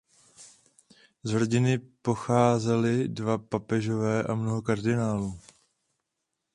Z rodiny pocházeli dva papežové a mnoho kardinálů.